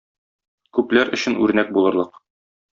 Күпләр өчен үрнәк булырлык.